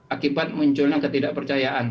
akibat munculnya ketidakpercayaan